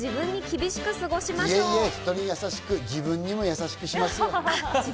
いえいえ、人に優しく、自分にも優しくしますよ。